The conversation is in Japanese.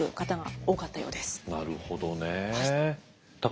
なるほどねえ。